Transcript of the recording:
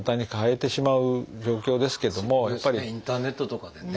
インターネットとかでね。